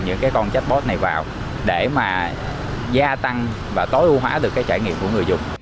những con chatbot này vào để mà gia tăng và tối ưu hóa được trải nghiệm của người dùng